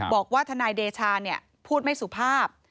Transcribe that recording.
บอกว่าทนายเดชาพูดไม่สุภาพ